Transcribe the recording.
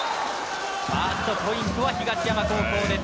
ファーストポイントは東山高校です。